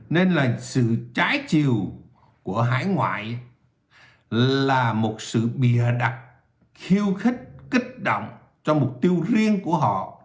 nên là sự trái chiều của hải ngoại là một sự bìa đặt khiêu khích kích động cho mục tiêu riêng của họ